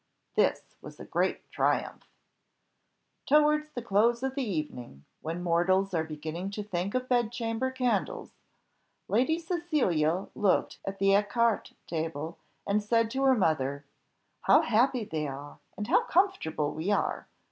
This was a great triumph. Towards the close of the evening, when mortals are beginning to think of bed chamber candles, Lady Cecilia looked at the ecarté table, and said to her mother, "How happy they are, and how comfortable we are!